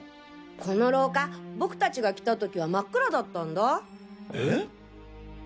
この廊下僕達が来たときは真っ暗だったんだ。え？